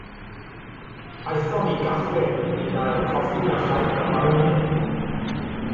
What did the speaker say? Aethom i gaffe i gael coffi a llaeth a bara menyn.